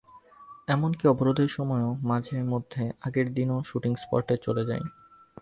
এমনকি অবরোধের সময় মাঝে মধ্যে আগের দিনও শুটিং স্পটে চলে যাই।